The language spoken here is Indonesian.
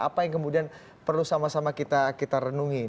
apa yang kemudian perlu sama sama kita renungi